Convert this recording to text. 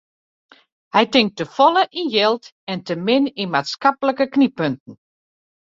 Hy tinkt te folle yn jild en te min yn maatskiplike knyppunten.